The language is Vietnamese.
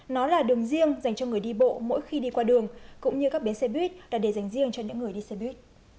nó là đường riêng dành cho người đi bộ mỗi khi đi qua đường cũng như các bến xe buýt là để dành riêng cho những người đi xe buýt